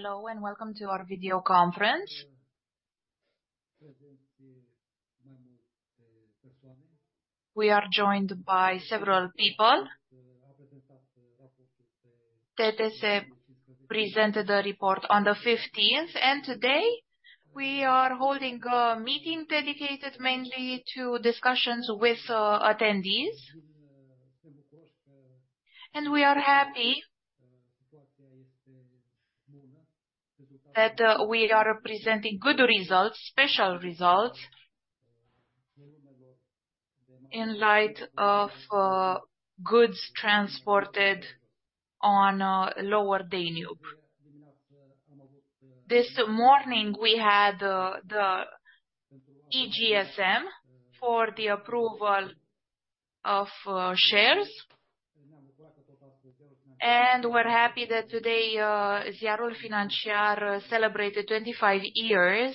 Hello, and welcome to our video conference. We are joined by several people. TTS presented a report on the 15th, and today we are holding a meeting dedicated mainly to discussions with attendees. And we are happy that we are presenting good results, special results, in light of goods transported on Lower Danube. This morning, we had the EGSM for the approval of shares. And we're happy that today Ziarul Financiar celebrated 25 years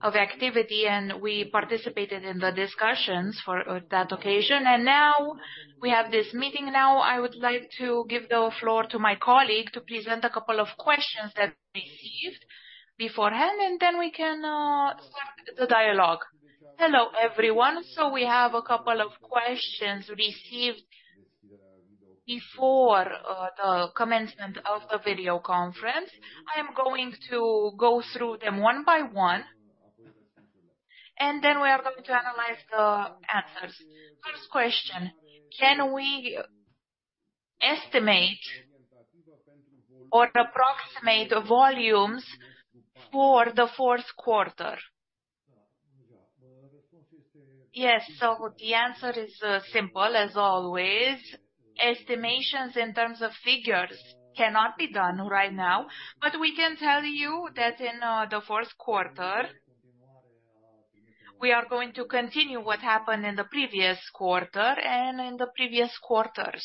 of activity, and we participated in the discussions for that occasion. And now we have this meeting. Now, I would like to give the floor to my colleague to present a couple of questions that we received beforehand, and then we can start the dialogue. Hello, everyone. So we have a couple of questions received before the commencement of the video conference. I am going to go through them one by one, and then we are going to analyze the answers. First question: Can we estimate or approximate the volumes for the fourth quarter? Yes, so the answer is, simple as always. Estimations in terms of figures cannot be done right now, but we can tell you that in, the fourth quarter, we are going to continue what happened in the previous quarter and in the previous quarters.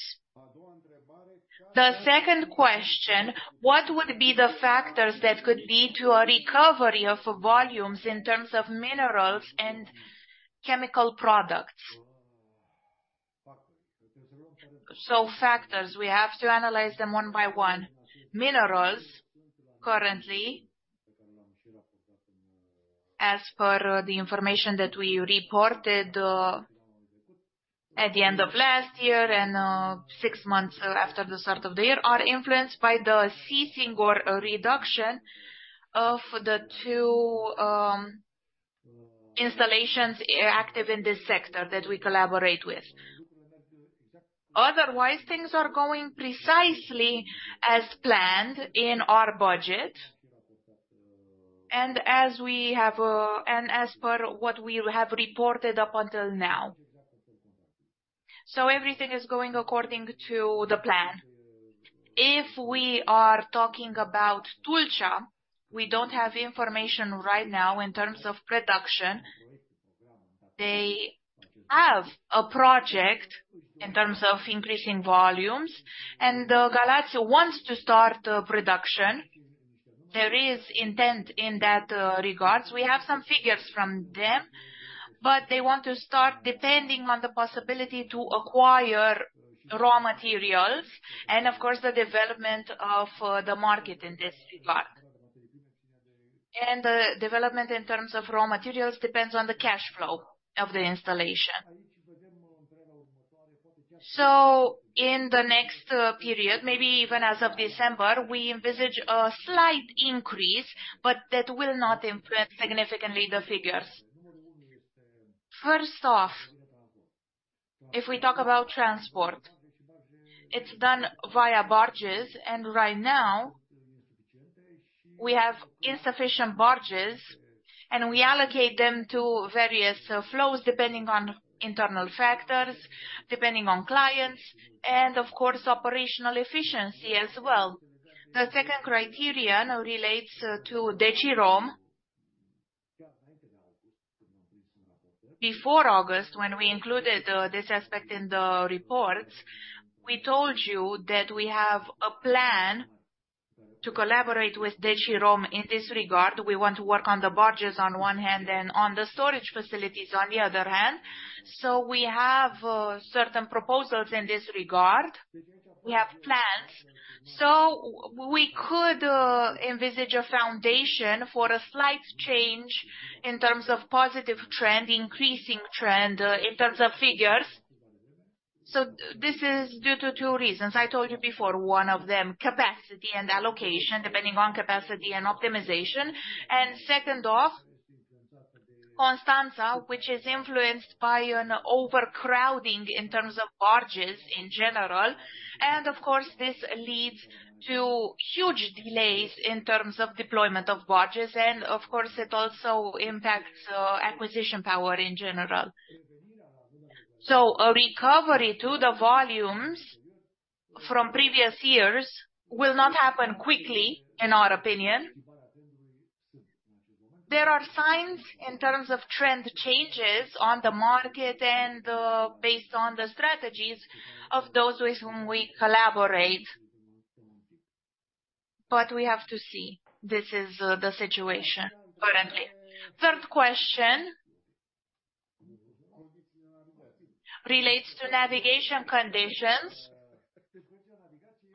The second question: What would be the factors that could lead to a recovery of volumes in terms of minerals and chemical products? So factors, we have to analyze them one by one. Minerals, currently, as per the information that we reported at the end of last year and six months after the start of the year, are influenced by the ceasing or reduction of the two installations active in this sector that we collaborate with. Otherwise, things are going precisely as planned in our budget, and as we have and as per what we have reported up until now. So everything is going according to the plan. If we are talking about Tulcea, we don't have information right now in terms of production. They have a project in terms of increasing volumes, and Galați wants to start production. There is intent in that regards. We have some figures from them, but they want to start depending on the possibility to acquire raw materials and, of course, the development of the market in this regard. The development in terms of raw materials depends on the cash flow of the installation. So in the next period, maybe even as of December, we envisage a slight increase, but that will not influence significantly the figures. First off, if we talk about transport, it's done via barges, and right now, we have insufficient barges, and we allocate them to various flows depending on internal factors, depending on clients, and of course, operational efficiency as well. The second criterion relates to Decirom. Before August, when we included this aspect in the reports, we told you that we have a plan to collaborate with Decirom in this regard. We want to work on the barges on one hand and on the storage facilities on the other hand. So we have certain proposals in this regard. We have plans. So we could envisage a foundation for a slight change in terms of positive trend, increasing trend, in terms of figures. So this is due to two reasons. I told you before, one of them, capacity and allocation, depending on capacity and optimization. And second off, Constanța, which is influenced by an overcrowding in terms of barges in general. And of course, this leads to huge delays in terms of deployment of barges, and of course, it also impacts, acquisition power in general. So a recovery to the volumes from previous years will not happen quickly, in our opinion. There are signs in terms of trend changes on the market and, based on the strategies of those with whom we collaborate, but we have to see. This is, the situation currently. Third question?... relates to navigation conditions.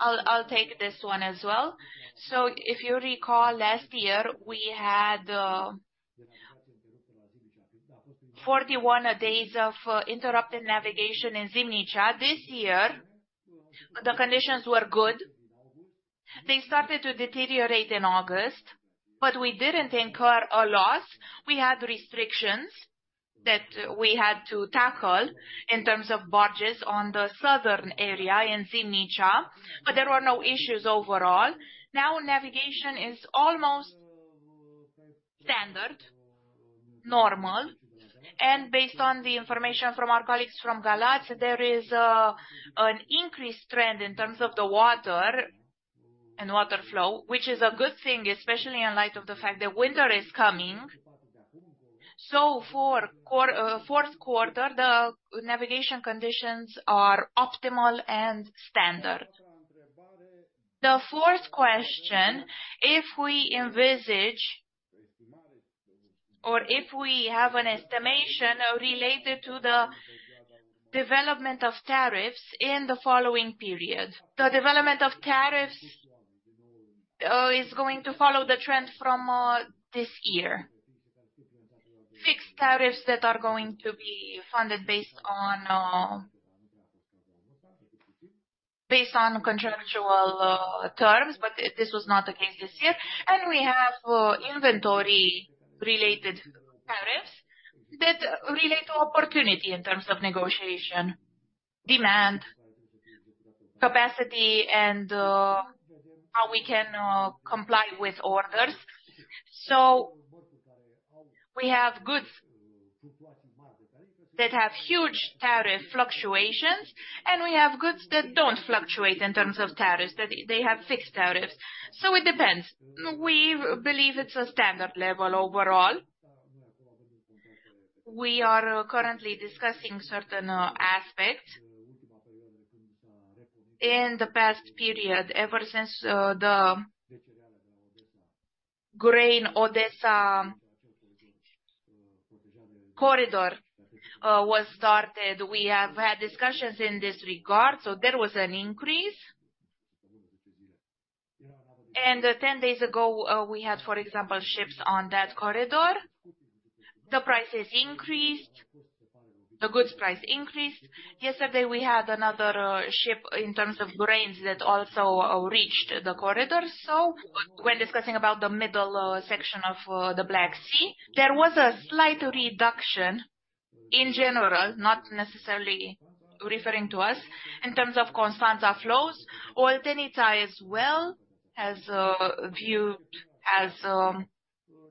I'll take this one as well. So if you recall, last year, we had 41 days of interrupted navigation in Zimnicea. This year, the conditions were good. They started to deteriorate in August, but we didn't incur a loss. We had restrictions that we had to tackle in terms of barges on the southern area in Zimnicea, but there were no issues overall. Now, navigation is almost standard, normal, and based on the information from our colleagues from Galați, there is an increased trend in terms of the water and water flow, which is a good thing, especially in light of the fact that winter is coming. So for fourth quarter, the navigation conditions are optimal and standard. The fourth question, if we envisage or if we have an estimation related to the development of tariffs in the following period. The development of tariffs is going to follow the trend from this year. Fixed tariffs that are going to be funded based on based on contractual terms, but this was not the case this year. And we have inventory-related tariffs that relate to opportunity in terms of negotiation, demand, capacity, and how we can comply with orders. So we have goods that have huge tariff fluctuations, and we have goods that don't fluctuate in terms of tariffs, that they have fixed tariffs. So it depends. We believe it's a standard level overall. We are currently discussing certain aspects. In the past period, ever since the Grain Odesa Corridor was started, we have had discussions in this regard, so there was an increase. And 10 days ago we had, for example, ships on that corridor. The prices increased, the goods price increased. Yesterday, we had another ship in terms of grains that also reached the corridor. So when discussing about the middle section of the Black Sea, there was a slight reduction in general, not necessarily referring to us, in terms of Constanța flows. Oltenița as well has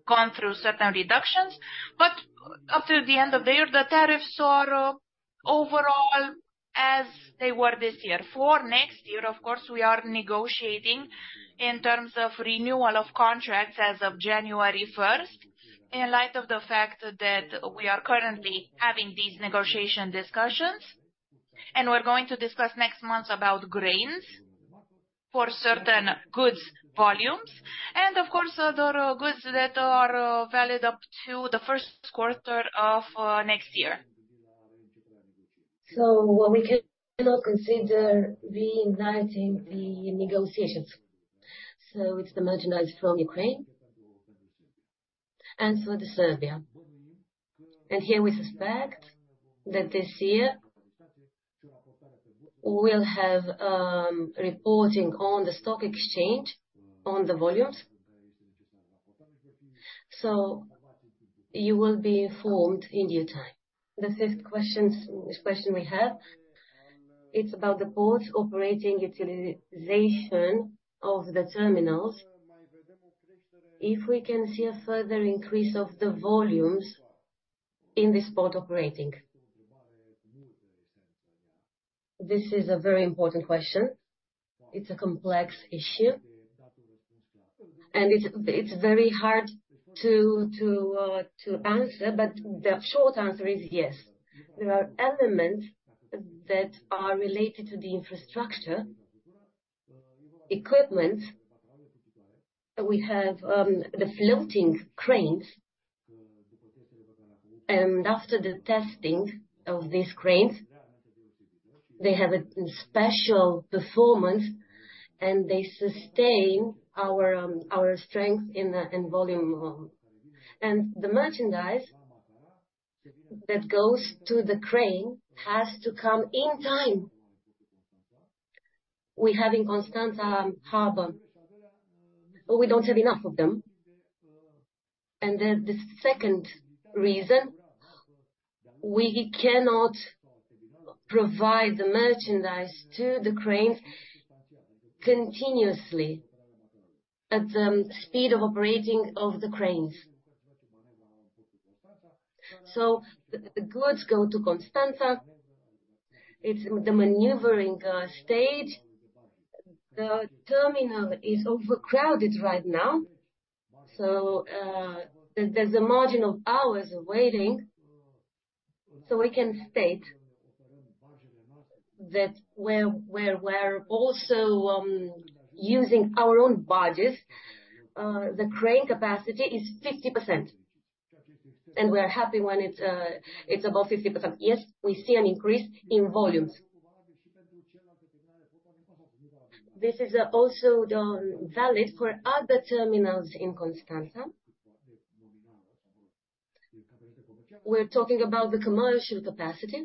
gone through certain reductions. But up to the end of the year, the tariffs are overall as they were this year. For next year, of course, we are negotiating in terms of renewal of contracts as of January first, in light of the fact that we are currently having these negotiation discussions, and we're going to discuss next month about grains for certain goods volumes, and of course, other goods that are valid up to the first quarter of next year. So what we can not consider reigniting the negotiations. So it's the merchandise from Ukraine and for the Serbia. And here we suspect that this year, we'll have reporting on the stock exchange on the volumes. So you will be informed in due time. The fifth question we have, it's about the port's operating utilization of the terminals. If we can see a further increase of the volumes in this port operating. This is a very important question. It's a complex issue, and it's very hard to answer, but the short answer is yes. There are elements that are related to the infrastructure, equipment. We have the floating cranes, and after the testing of these cranes, they have a special performance, and they sustain our strength in the volume. The merchandise that goes to the crane has to come in time. We have in Constanța Harbor, but we don't have enough of them. Then the second reason, we cannot provide the merchandise to the cranes continuously at the speed of operating of the cranes. So the goods go to Constanța. It's the maneuvering stage. The terminal is overcrowded right now, so there's a margin of hours of waiting. So we can state that where we're also using our own barges, the crane capacity is 50%, and we are happy when it's above 50%. Yes, we see an increase in volumes. This is also valid for other terminals in Constanța. We're talking about the commercial capacity.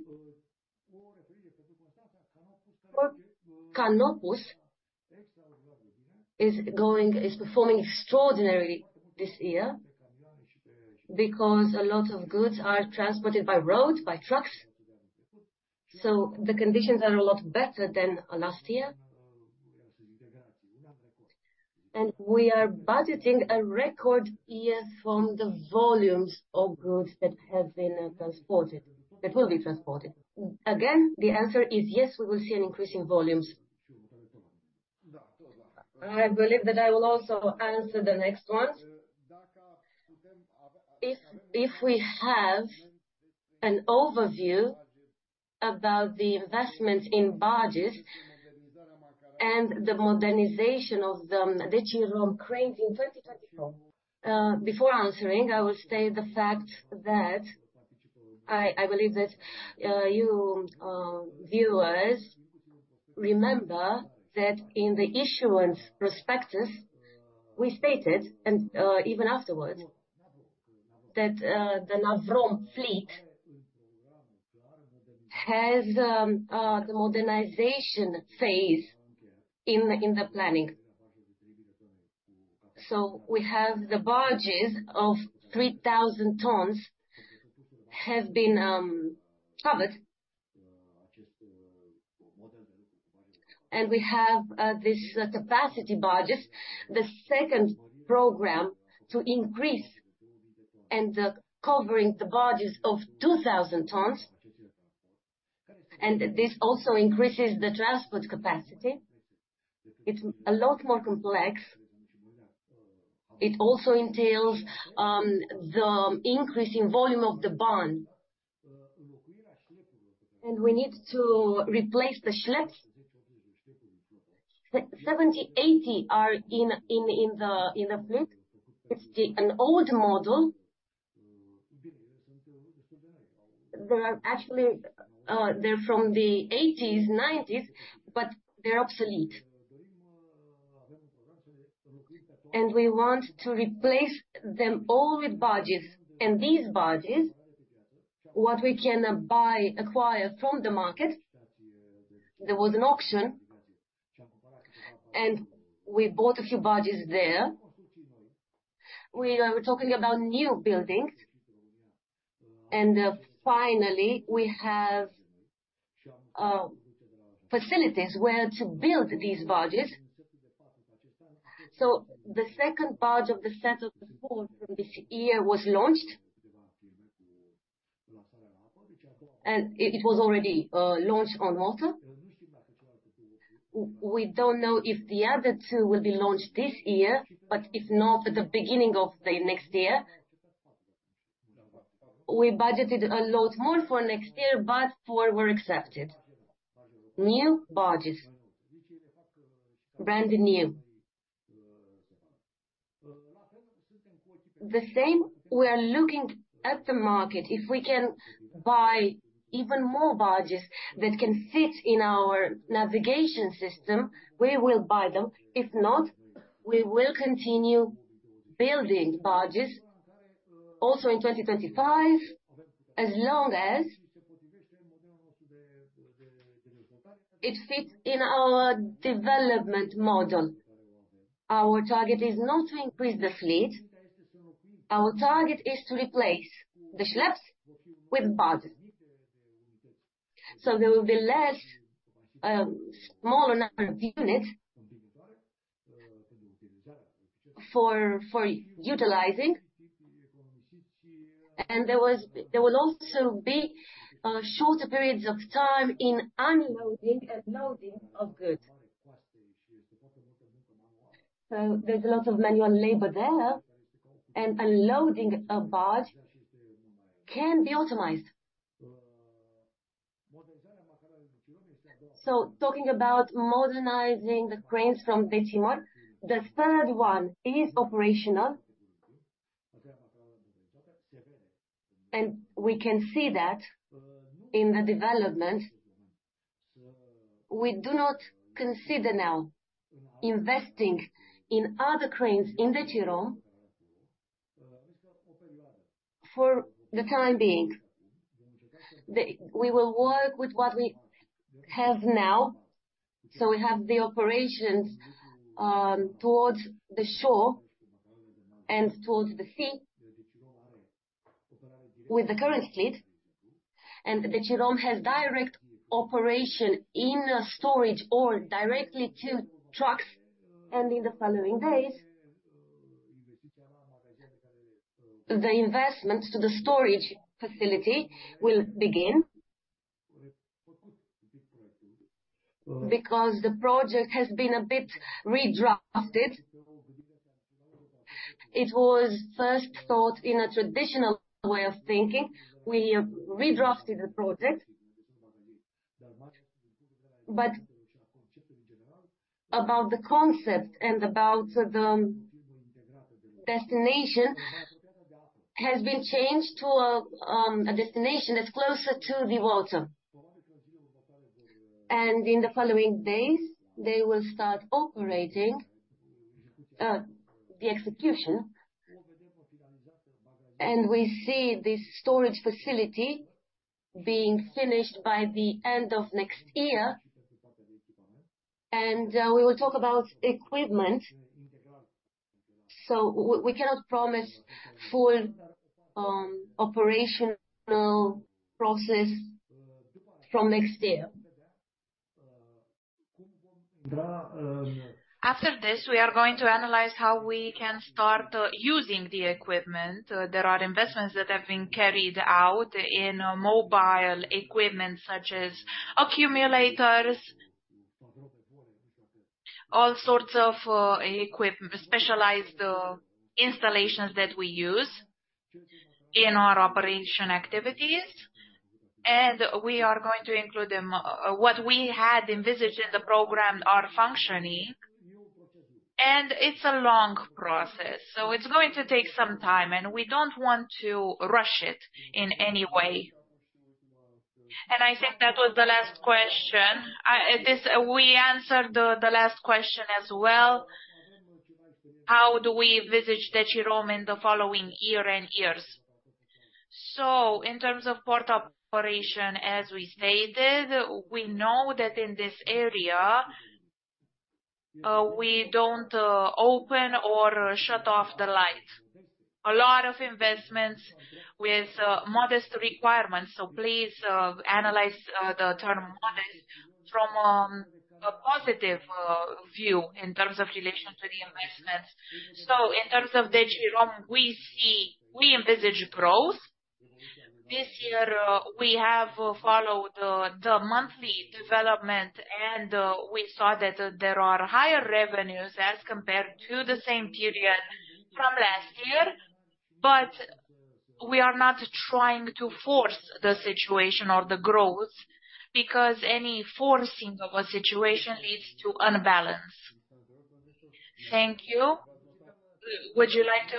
For Canopus is performing extraordinary this year because a lot of goods are transported by road, by trucks, so the conditions are a lot better than last year. We are budgeting a record year from the volumes of goods that have been transported that will be transported. Again, the answer is yes, we will see an increase in volumes. I believe that I will also answer the next one. If we have an overview about the investment in barges and the modernization of the Decirom cranes in 2024, before answering, I will state the fact that I believe that you viewers remember that in the issuance prospectus, we stated, and even afterwards, that the Navrom fleet has the modernization phase in the planning. So we have the barges of 3,000 tons have been covered. We have this capacity barges, the second program to increase and covering the barges of 2,000 tons, and this also increases the transport capacity. It's a lot more complex. It also entails the increase in volume of the barge. We need to replace the Schlepp S-70, S-80 are in the fleet. It's an old model. They are actually from the 1980s, 1990s, but they're obsolete. We want to replace them all with barges. These barges, what we can buy, acquire from the market, there was an auction, and we bought a few barges there. We are talking about new buildings, and finally, we have facilities where to build these barges. So the second barge of the set of 4 from this year was launched. And it, it was already launched on water. We don't know if the other 2 will be launched this year, but if not, at the beginning of the next year. We budgeted a lot more for next year, but 4 were accepted. New barges, brand new. The same, we are looking at the market. If we can buy even more barges that can fit in our navigation system, we will buy them. If not, we will continue building barges also in 2025, as long as it fits in our development model. Our target is not to increase the fleet, our target is to replace the schlepps with barges. So there will be less, smaller number of units for utilizing, and there will also be shorter periods of time in unloading and loading of goods. So there's a lot of manual labor there, and unloading a barge can be optimized. So talking about modernizing the cranes from Decirom, the third one is operational. And we can see that in the development. We do not consider now investing in other cranes in Decirom for the time being. We will work with what we have now. So we have the operations towards the shore and towards the sea with the current fleet, and Decirom has direct operation in the storage or directly to trucks, and in the following days, the investments to the storage facility will begin. Because the project has been a bit redrafted.... It was first thought in a traditional way of thinking. We redrafted the project, but about the concept and about the destination has been changed to a destination that's closer to the water. In the following days, they will start operating the execution. We see this storage facility being finished by the end of next year, and we will talk about equipment. So we cannot promise full operational process from next year. After this, we are going to analyze how we can start using the equipment. There are investments that have been carried out in mobile equipment, such as accumulators, all sorts of specialized installations that we use in our operation activities, and we are going to include them. What we had envisaged in the program are functioning, and it's a long process, so it's going to take some time, and we don't want to rush it in any way. And I think that was the last question. This. We answered the last question as well, how do we envisage the Decirom in the following year and years? So in terms of port operation, as we stated, we know that in this area, we don't open or shut off the light. A lot of investments with modest requirements, so please analyze the term modest from a positive view in terms of relation to the investments. So in terms of the Decirom, we envisage growth. This year, we have followed the monthly development, and we saw that there are higher revenues as compared to the same period from last year. But we are not trying to force the situation or the growth, because any forcing of a situation leads to unbalance. Thank you. Would you like to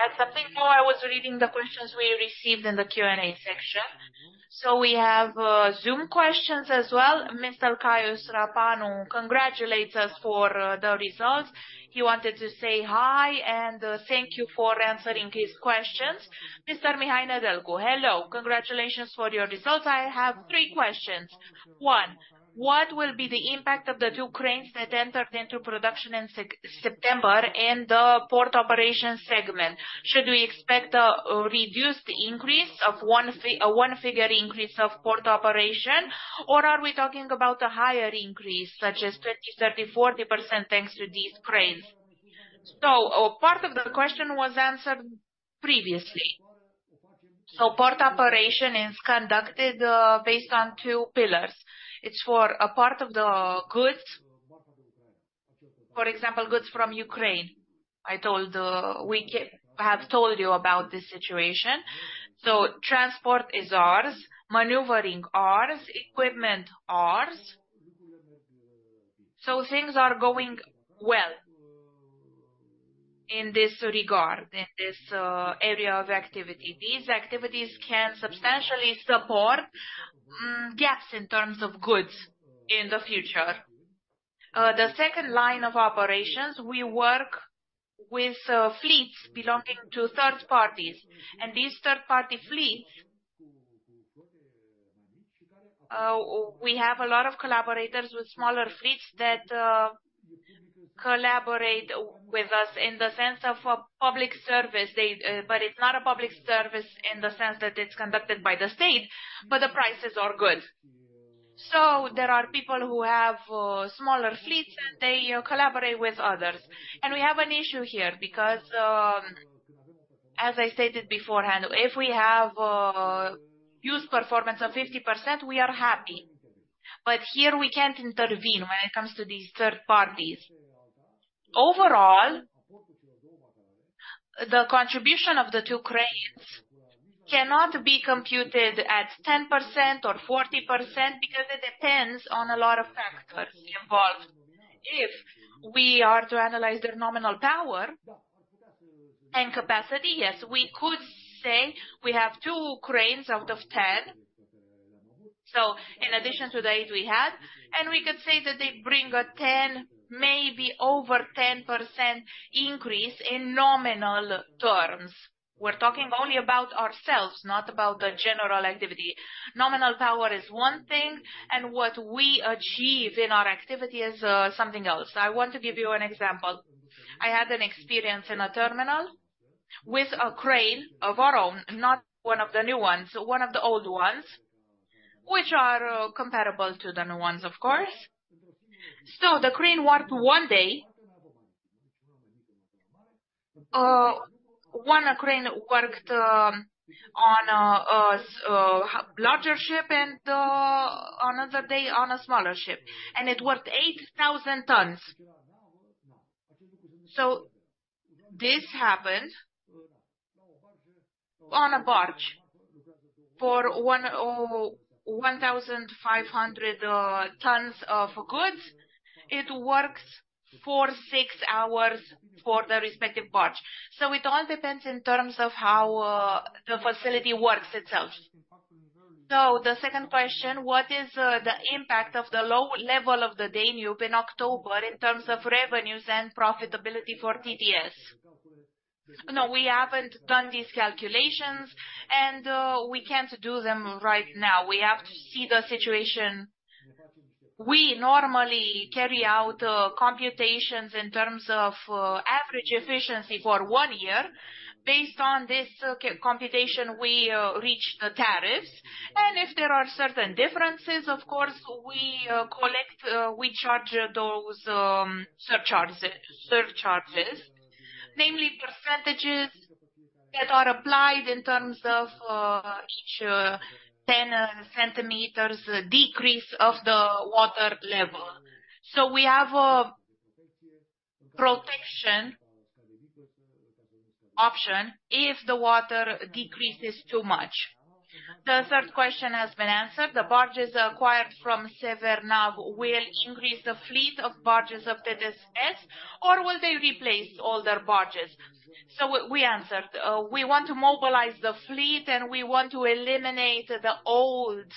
add something more? I was reading the questions we received in the Q&A section. So we have Zoom questions as well. Mr. Caius Rapanu congratulates us for the results. He wanted to say hi, and thank you for answering his questions. Mr. Mihai Nedelcu: Hello. Congratulations for your results. I have three questions. One, what will be the impact of the two cranes that entered into production in September and the port operation segment? Should we expect a one-figure increase of port operation, or are we talking about a higher increase, such as 20, 30, 40%, thanks to these cranes? So part of the question was answered previously. So port operation is conducted based on two pillars. It's for a part of the goods, for example, goods from Ukraine. I told we have told you about this situation. So transport is ours, maneuvering ours, equipment ours, so things are going well in this regard, in this area of activity. These activities can substantially support gaps in terms of goods in the future. The second line of operations, we work with fleets belonging to third parties, and these third-party fleets, we have a lot of collaborators with smaller fleets that collaborate with us in the sense of a public service. They. But it's not a public service in the sense that it's conducted by the state, but the prices are good. So there are people who have smaller fleets, and they collaborate with others. And we have an issue here, because, as I stated beforehand, if we have use performance of 50%, we are happy. But here we can't intervene when it comes to these third parties. Overall, the contribution of the two cranes cannot be computed at 10% or 40% because it depends on a lot of factors involved. If we are to analyze their nominal power and capacity, yes, we could say we have two cranes out of 10, so in addition to the eight we had, and we could say that they bring a 10, maybe over 10% increase in nominal terms. We're talking only about ourselves, not about the general activity. Nominal power is one thing, and what we achieve in our activity is something else. I want to give you an example. I had an experience in a terminal with a crane of our own, not one of the new ones, one of the old ones, which are comparable to the new ones, of course. So the crane worked one day. One crane worked on a larger ship and another day on a smaller ship, and it worked 8,000 tons. So this happened on a barge for 1,500 tons of goods. It works for 6 hours for the respective barge. So it all depends in terms of how the facility works itself. So the second question, what is the impact of the low level of the Danube in October in terms of revenues and profitability for TTS? No, we haven't done these calculations, and we can't do them right now. We have to see the situation. We normally carry out computations in terms of average efficiency for one year. Based on this computation, we reach the tariffs, and if there are certain differences, of course, we collect, we charge those surcharges, surcharges. Namely, percentages that are applied in terms of each 10 centimeters decrease of the water level. So we have a protection option if the water decreases too much. The third question has been answered. The barges acquired from Severnav will increase the fleet of barges of TTS, or will they replace all their barges? So we answered. We want to mobilize the fleet, and we want to eliminate the old,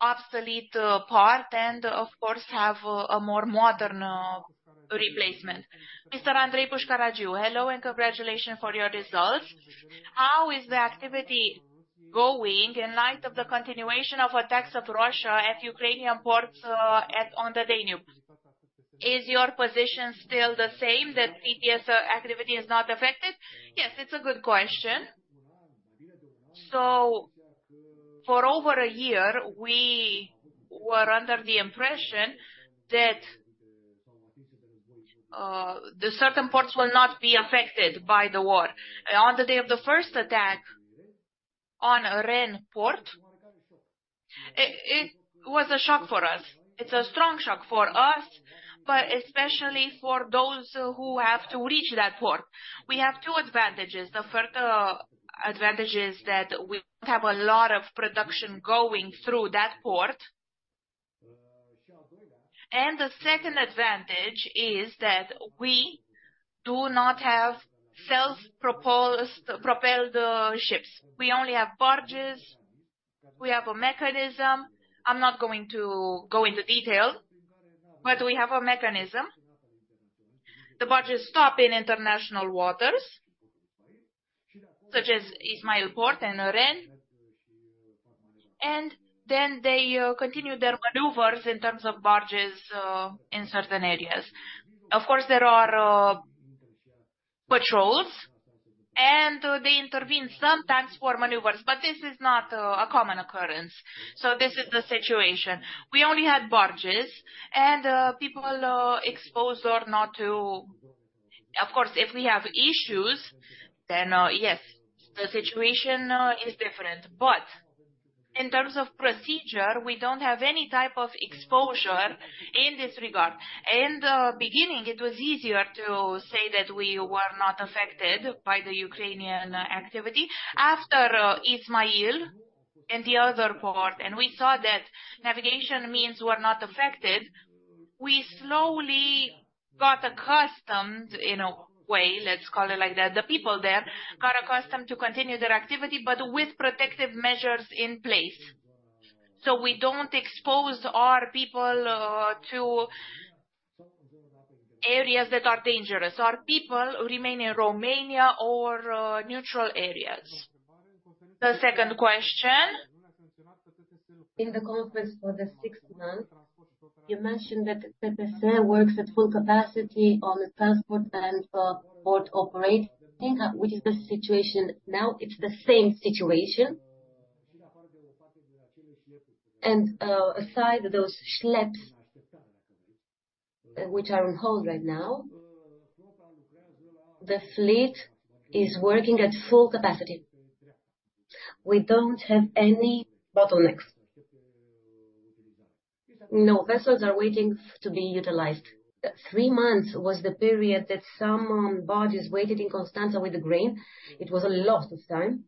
obsolete part, and of course, have a more modern replacement. Mr. Andrei Pușcărariu, hello and congratulations for your results. How is the activity going in light of the continuation of attacks of Russia at Ukrainian ports on the Danube? Is your position still the same, that TTS activity is not affected? Yes, it's a good question. So for over a year, we were under the impression that the certain ports will not be affected by the war. On the day of the first attack on Reni Port, it was a shock for us. It's a strong shock for us, but especially for those who have to reach that port. We have two advantages. The first advantage is that we have a lot of production going through that port. And the second advantage is that we do not have self-propelled ships. We only have barges. We have a mechanism. I'm not going to go into detail, but we have a mechanism. The barges stop in international waters, such as Izmail Port and Reni, and then they continue their maneuvers in terms of barges in certain areas. Of course, there are patrols, and they intervene sometimes for maneuvers, but this is not a common occurrence. So this is the situation. We only had barges and, people, exposed or not to... Of course, if we have issues, then, yes, the situation is different. But in terms of procedure, we don't have any type of exposure in this regard. In the beginning, it was easier to say that we were not affected by the Ukrainian activity. After Izmail and the other port, and we saw that navigation means were not affected, we slowly got accustomed, in a way, let's call it like that. The people there got accustomed to continue their activity, but with protective measures in place. So we don't expose our people to areas that are dangerous. Our people remain in Romania or, neutral areas. The second question? In the conference for the sixth month, you mentioned that TTS S.A. works at full capacity on the transport and port operating. Which is the situation now? It's the same situation. Aside those Schlepps, which are on hold right now, the fleet is working at full capacity. We don't have any bottlenecks. No vessels are waiting to be utilized. Three months was the period that some barges waited in Constanța with the grain. It was a lot of time.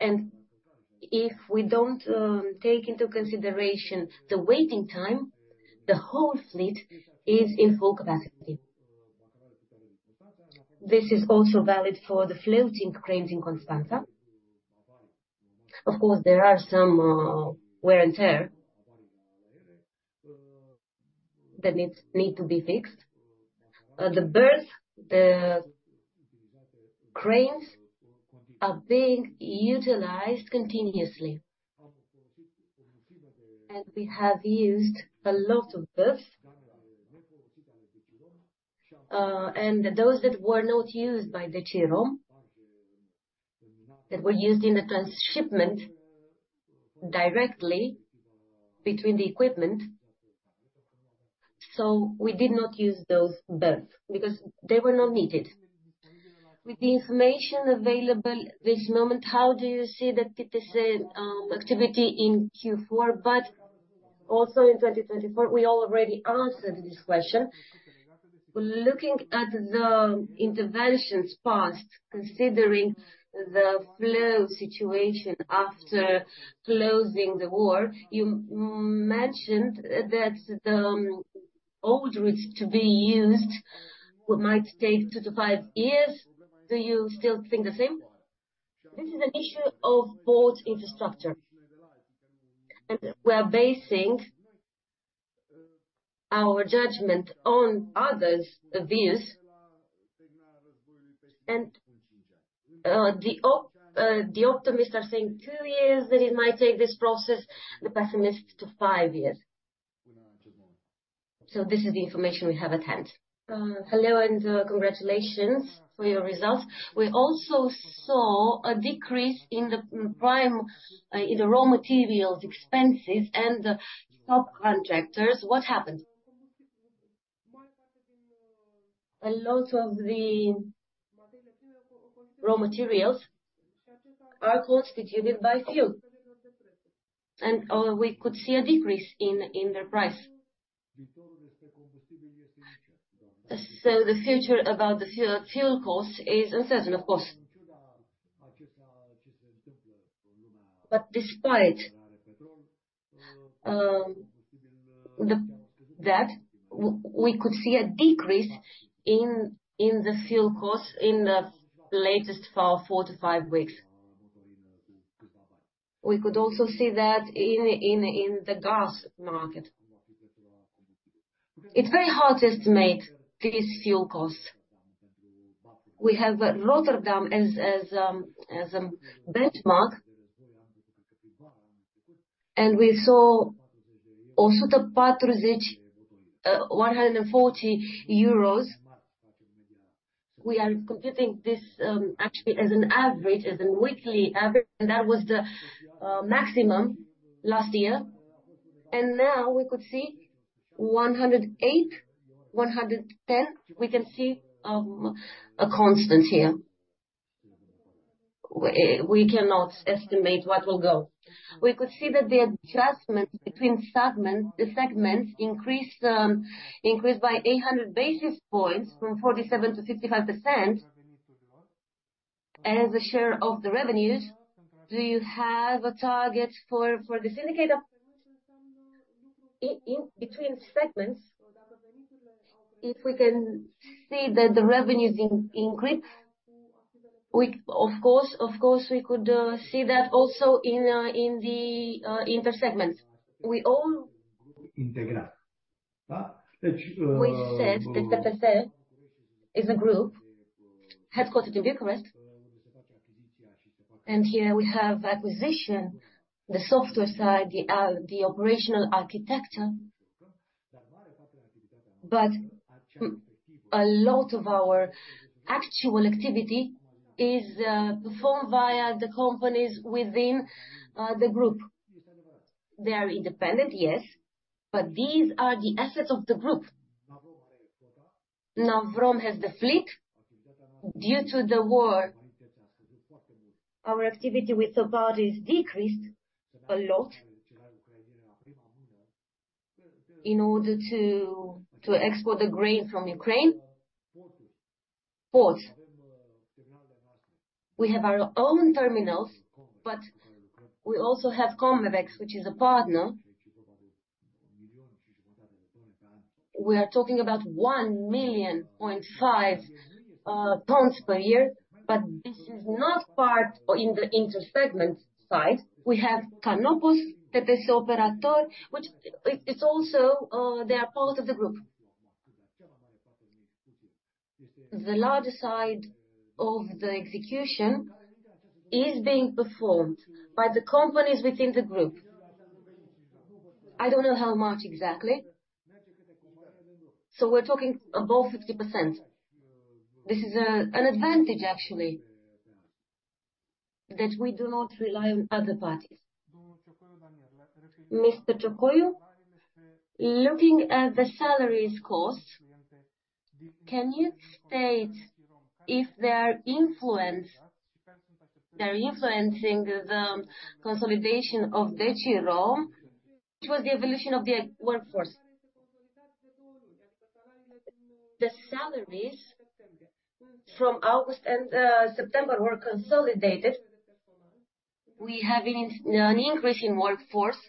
And if we don't take into consideration the waiting time, the whole fleet is in full capacity. This is also valid for the floating cranes in Constanța. Of course, there are some wear and tear that need to be fixed. The berth, the cranes are being utilized continuously. We have used a lot of this, and those that were not used that were used in the transshipment directly between the equipment, so we did not use those berths because they were not needed. With the information available at this moment, how do you see the TTS activity in Q4, but also in 2024? We already answered this question. Looking at the interventions passed, considering the flow situation after closing the war, you mentioned that the old routes to be used might take 2-5 years. Do you still think the same? This is an issue of port infrastructure, and we are basing our judgment on others' views. The optimists are saying 2 years, that it might take this process, the pessimists 5 years. So this is the information we have at hand. Hello, and congratulations for your results. We also saw a decrease in the prime, in the raw materials expenses and subcontractors. What happened? A lot of the raw materials are constituted by fuel, and we could see a decrease in their price. So the future about the fuel cost is uncertain, of course. But despite that, we could see a decrease in the fuel costs in the latest 4-5 weeks. We could also see that in the gas market. It's very hard to estimate this fuel cost. We have Rotterdam as a benchmark, and we saw also the EUR 140. We are computing this actually as an average, as a weekly average, and that was the maximum last year. Now we could see 108, 110. We can see a constant here. We cannot estimate what will go. We could see that the adjustment between segment, the segments increased, increased by 800 basis points from 47%-55% as a share of the revenues. Do you have a target for this indicator in between segments? If we can see that the revenues increase, we of course, of course, we could see that also in the intersegment. We all- (Integrate. That's-) We said that TTS is a group headquartered in Bucharest, and here we have acquisition, the software side, the operational architecture. But a lot of our actual activity is performed via the companies within the group. They are independent, yes, but these are the assets of the group. Navrom has the fleet. Due to the war, our activity with the parties decreased a lot in order to export the grain from Ukraine. Ports, we have our own terminals, but we also have Comvex, which is a partner. We are talking about 1.5 million tons per year, but this is not part in the intersegment side. We have Canopus, TTS Operator, which they are part of the group. The larger side of the execution is being performed by the companies within the group. I don't know how much exactly, so we're talking above 50%. This is an advantage, actually, that we do not rely on other parties. Mr. CIocoiu, looking at the salaries cost, can you state if they are influenced—they're influencing the consolidation of Decirom? Which was the evolution of the workforce? The salaries from August and September were consolidated. We have an increase in workforce.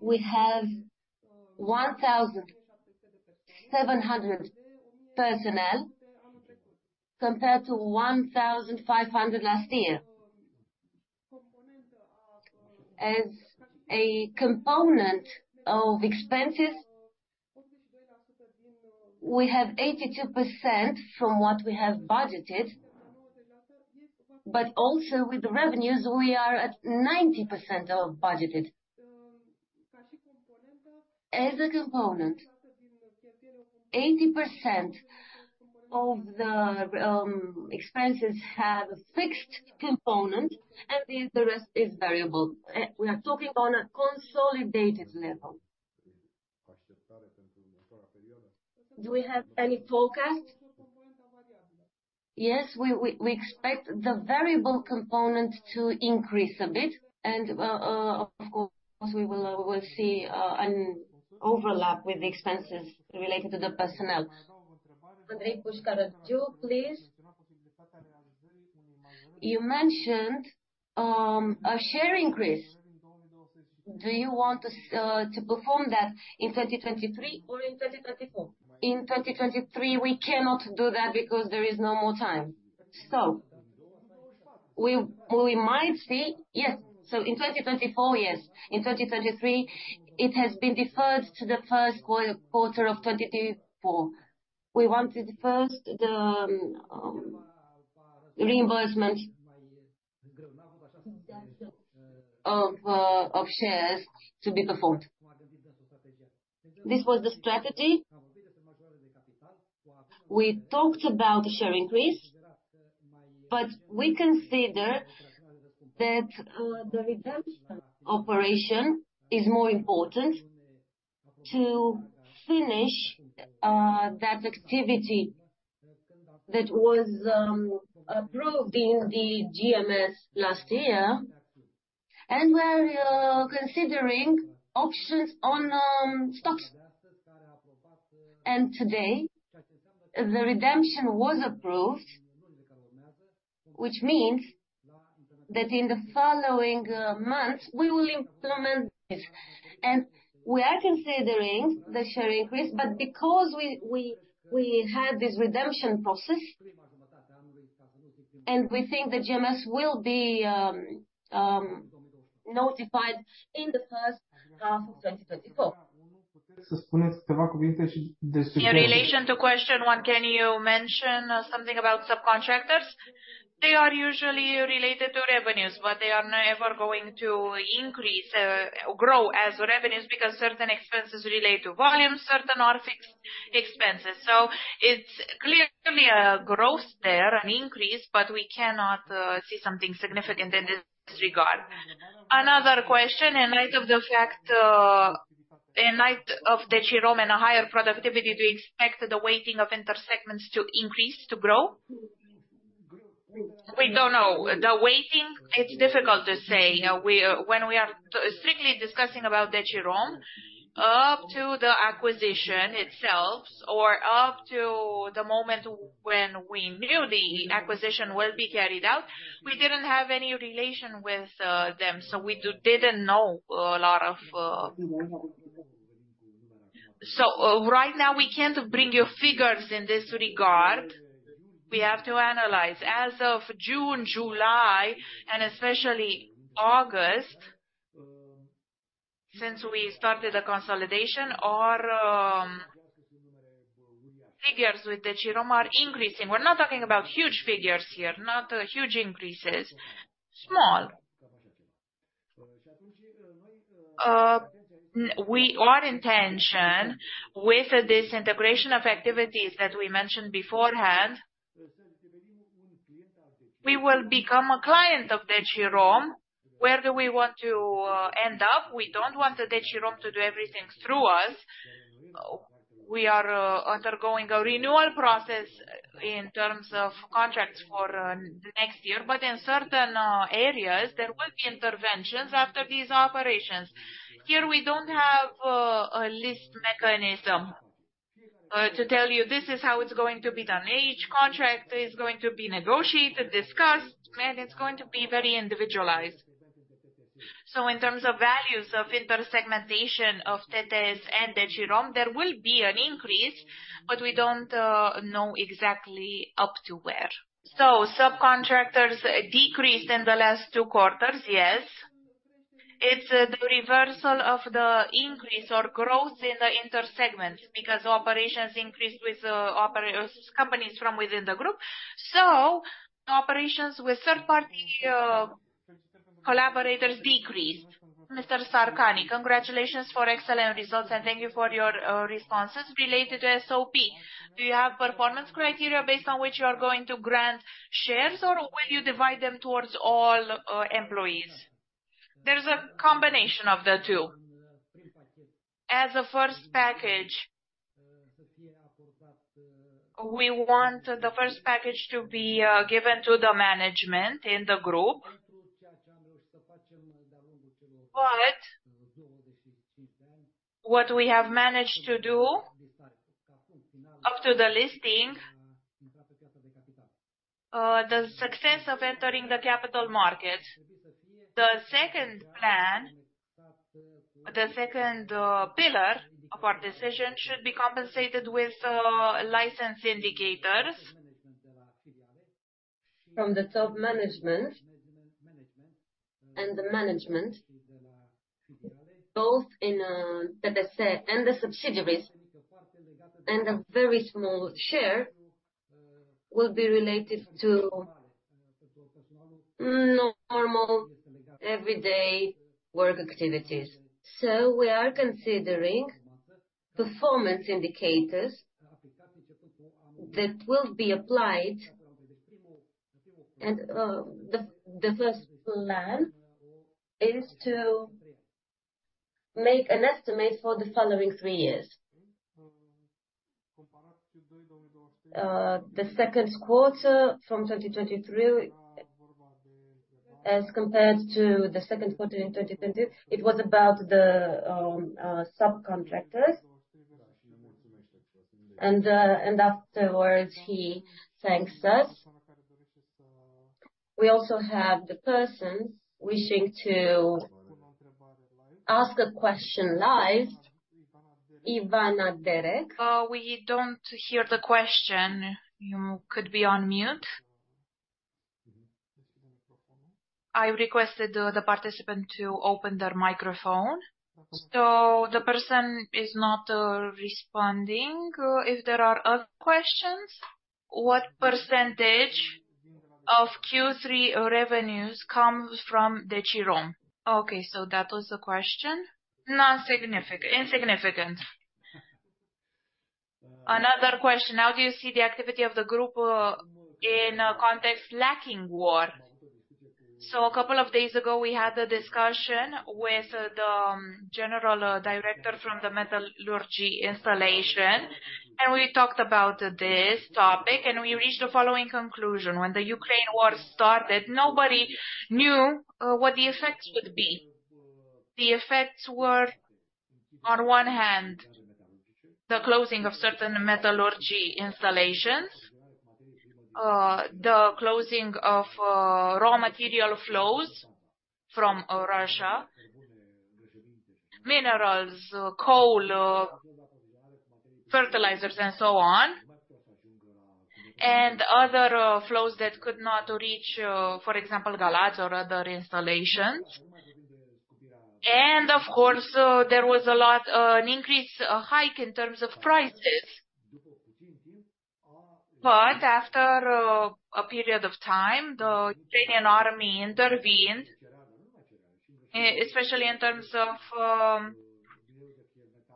We have 1,700 personnel, compared to 1,500 last year. As a component of expenses, we have 82% from what we have budgeted, but also with the revenues, we are at 90% of budgeted.... as a component, 80% of the expenses have a fixed component, and the rest is variable. We are talking on a consolidated level. Do we have any forecast? Yes, we expect the variable component to increase a bit, and of course, we will see an overlap with the expenses related to the personnel. Andrei Pușcărariu, please. You mentioned a share increase. Do you want us to perform that in 2023 or in 2024? In 2023, we cannot do that because there is no more time. So we might see-- Yes, so in 2024, yes. In 2023, it has been deferred to the first quarter of 2024. We want to defer the reimbursement of shares to be performed. This was the strategy. We talked about a share increase, but we consider that the redemption operation is more important to finish that activity that was approved in the GMS last year. We are considering options on stocks. Today, the redemption was approved, which means that in the following months, we will implement this. We are considering the share increase, but because we had this redemption process, and we think the GMS will be notified in the first of 2024. In relation to question one, can you mention something about subcontractors? They are usually related to revenues, but they are never going to increase or grow as revenues, because certain expenses relate to volume, certain are fixed expenses. So it's clearly a growth there, an increase, but we cannot see something significant in this regard. Another question, in light of the fact, in light of the Decirom and a higher productivity, do you expect the weighting of intersegments to increase, to grow? We don't know. The weighting, it's difficult to say. When we are strictly discussing about Decirom, up to the acquisition itself, or up to the moment when we knew the acquisition will be carried out, we didn't have any relation with them, so we didn't know a lot of. So, right now, we can't bring you figures in this regard. We have to analyze. As of June, July, and especially August, since we started a consolidation, our figures with Decirom are increasing. We're not talking about huge figures here, not huge increases. Small. Our intention with this integration of activities that we mentioned beforehand, we will become a client of Decirom. Where do we want to end up? We don't want the Decirom to do everything through us. We are undergoing a renewal process in terms of contracts for the next year, but in certain areas, there will be interventions after these operations. Here, we don't have a list mechanism to tell you, "This is how it's going to be done." Each contract is going to be negotiated, discussed, and it's going to be very individualized. So in terms of values of intersegmentation of TTS and Decirom, there will be an increase, but we don't know exactly up to where. So subcontractors decreased in the last two quarters, yes. It's the reversal of the increase or growth in the intersegments, because operations increased with operating companies from within the group. So operations with third-party collaborators decreased. Mr. Sarkany, congratulations for excellent results, and thank you for your responses. Related to SOP, do you have performance criteria based on which you are going to grant shares, or will you divide them towards all employees? There's a combination of the two. As a first package, we want the first package to be given to the management in the group. But what we have managed to do up to the listing, the success of entering the capital markets, the second plan, the second pillar of our decision, should be compensated with license indicators from the top management and the management, both in TTS and the subsidiaries, and a very small share will be related to normal, everyday work activities. So we are considering performance indicators that will be applied, and the first plan is to make an estimate for the following three years. The second quarter from 2023, as compared to the second quarter in 2022, it was about the subcontractors. And afterwards, he thanks us. We also have the persons wishing to ask a question live, Ivana Derek. We don't hear the question. You could be on mute. I requested the participant to open their microphone, so the person is not responding. If there are other questions? What percentage of Q3 revenues comes from Decirom? Okay, so that was the question. Non-significant. Insignificant. Another question: How do you see the activity of the group, in a context lacking war? So a couple of days ago, we had a discussion with the general director from the metallurgy installation, and we talked about this topic, and we reached the following conclusion. When the Ukraine war started, nobody knew what the effects would be. The effects were, on one hand, the closing of certain metallurgy installations, the closing of raw material flows from Russia, minerals, coal, fertilizers, and so on, and other flows that could not reach, for example, Galați or other installations. And of course, there was a lot, an increase, a hike in terms of prices. But after a period of time, the Ukrainian army intervened, especially in terms of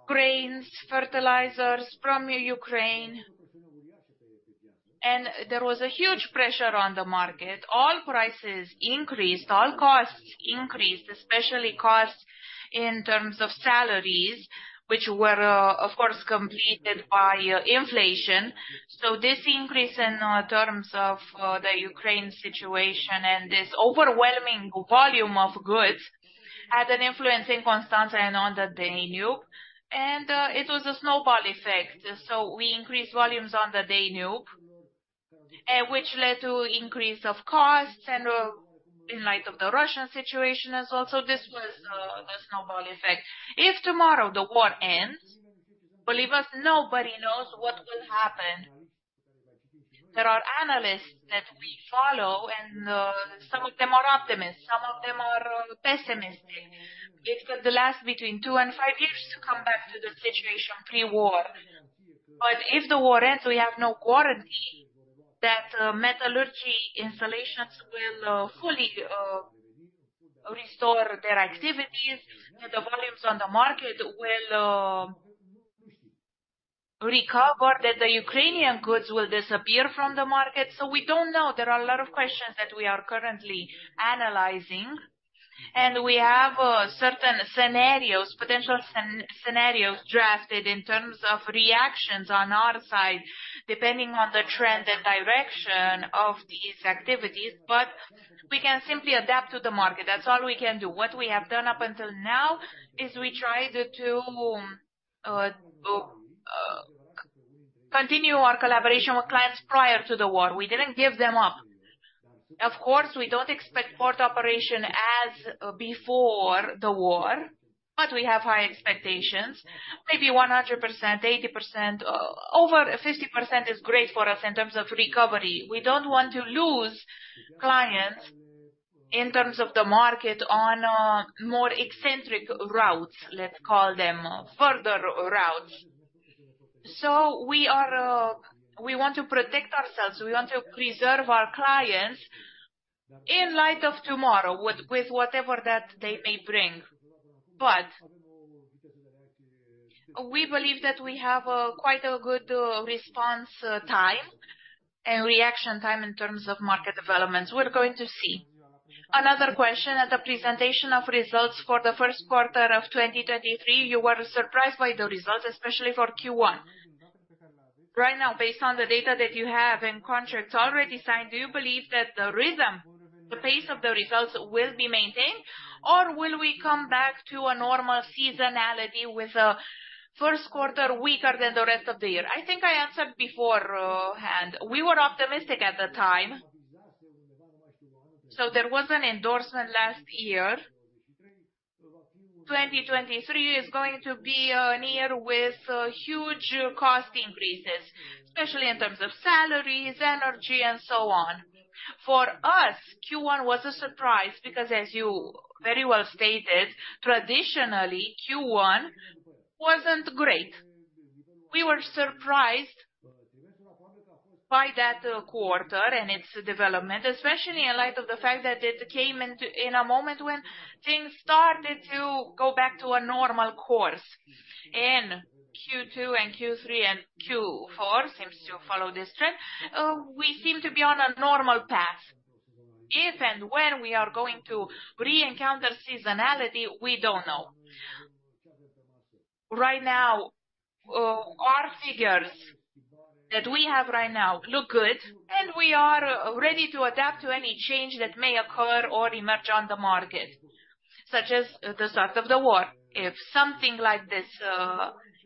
grains, fertilizers from Ukraine, and there was a huge pressure on the market. All prices increased, all costs increased, especially costs in terms of salaries, which were, of course, completed by inflation. So this increase in terms of the Ukraine situation and this overwhelming volume of goods had an influence in Constanța and on the Danube, and it was a snowball effect. So we increased volumes on the Danube, which led to increase of costs and, in light of the Russian situation as well. So this was a snowball effect. If tomorrow the war ends, believe us, nobody knows what will happen. There are analysts that we follow, and some of them are optimists, some of them are pessimistic. It could last between 2 and 5 years to come back to the situation pre-war. But if the war ends, we have no guarantee that metallurgy installations will fully restore their activities, and the volumes on the market will recover, that the Ukrainian goods will disappear from the market. So we don't know. There are a lot of questions that we are currently analyzing, and we have certain scenarios drafted in terms of reactions on our side, depending on the trend and direction of these activities. But we can simply adapt to the market. That's all we can do. What we have done up until now is we tried to continue our collaboration with clients prior to the war. We didn't give them up. Of course, we don't expect port operation as before the war, but we have high expectations. Maybe 100%, 80%, over 50% is great for us in terms of recovery. We don't want to lose clients in terms of the market on, more eccentric routes, let's call them, further routes. So we are, we want to protect ourselves. We want to preserve our clients in light of tomorrow, with, with whatever that they may bring. But we believe that we have, quite a good, response, time and reaction time in terms of market developments. We're going to see. Another question, at the presentation of results for the first quarter of 2023, you were surprised by the results, especially for Q1. Right now, based on the data that you have and contracts already signed, do you believe that the rhythm, the pace of the results will be maintained, or will we come back to a normal seasonality with a first quarter weaker than the rest of the year? I think I answered beforehand. We were optimistic at the time, so there was an endorsement last year. 2023 is going to be a year with huge cost increases, especially in terms of salaries, energy, and so on. For us, Q1 was a surprise because, as you very well stated, traditionally, Q1 wasn't great. We were surprised by that quarter and its development, especially in light of the fact that it came into in a moment when things started to go back to a normal course. In Q2 and Q3 and Q4 seems to follow this trend, we seem to be on a normal path. If and when we are going to re-encounter seasonality, we don't know. Right now, our figures that we have right now look good, and we are ready to adapt to any change that may occur or emerge on the market, such as the start of the war. If something like this,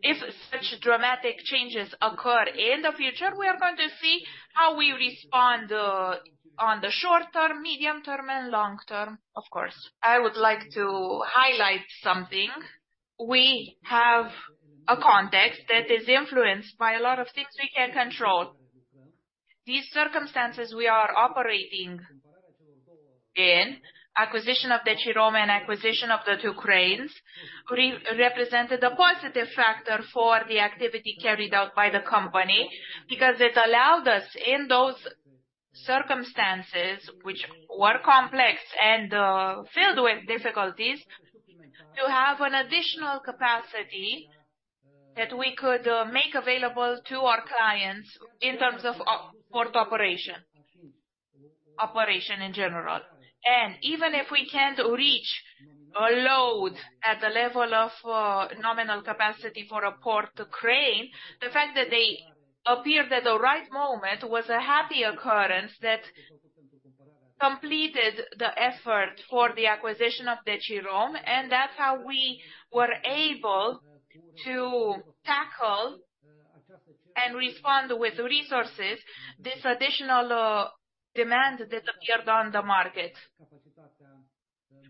if such dramatic changes occur in the future, we are going to see how we respond, on the short term, medium term, and long term, of course. I would like to highlight something. We have a context that is influenced by a lot of things we can't control. These circumstances we are operating in, acquisition of the Decirom and acquisition of the two cranes, represented a positive factor for the activity carried out by the company, because it allowed us, in those circumstances, which were complex and filled with difficulties, to have an additional capacity that we could make available to our clients in terms of port operation, operation in general. And even if we can't reach a load at the level of nominal capacity for a port crane, the fact that they appeared at the right moment was a happy occurrence that completed the effort for the acquisition of the Decirom, and that's how we were able to tackle and respond with resources this additional demand that appeared on the market.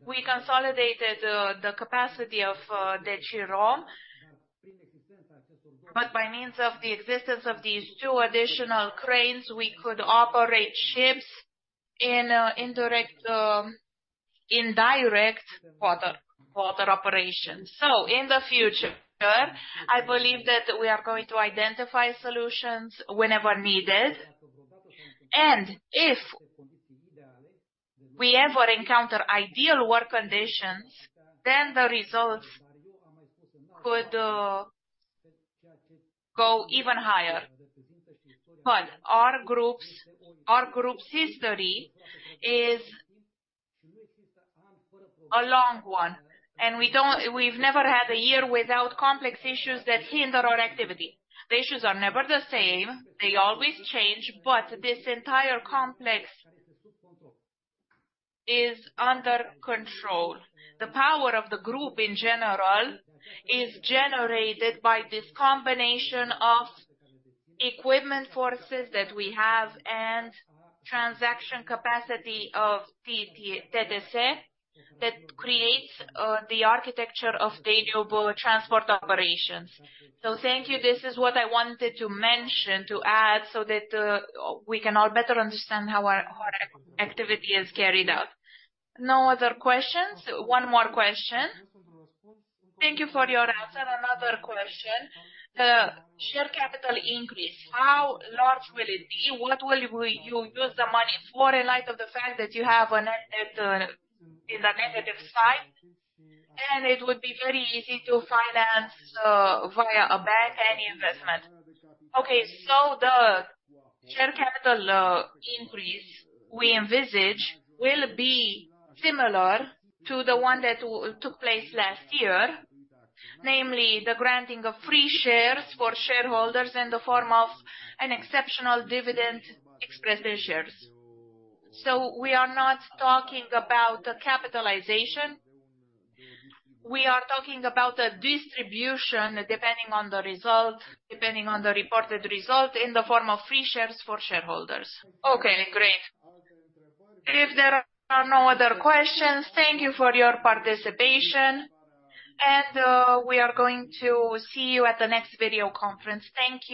We consolidated the capacity of Decirom, but by means of the existence of these two additional cranes, we could operate ships in indirect water operation. So in the future, I believe that we are going to identify solutions whenever needed, and if we ever encounter ideal work conditions, then the results could go even higher. But our group's history is a long one, and we've never had a year without complex issues that hinder our activity. The issues are never the same, they always change, but this entire complex is under control. The power of the group, in general, is generated by this combination of equipment forces that we have and transaction capacity of TT, TTCL that creates the architecture of the global transport operations. So thank you. This is what I wanted to mention, to add, so that we can all better understand how our activity is carried out. No other questions? One more question. Thank you for your answer. Another question. Share capital increase, how large will it be? What will you use the money for in light of the fact that you have an in a negative sign, and it would be very easy to finance via a bank any investment? Okay, so the share capital increase we envisage will be similar to the one that took place last year, namely, the granting of free shares for shareholders in the form of an exceptional dividend expressed in shares. So we are not talking about a capitalization, we are talking about a distribution, depending on the result, depending on the reported result, in the form of free shares for shareholders. Okay, great. If there are no other questions, thank you for your participation, and we are going to see you at the next video conference. Thank you.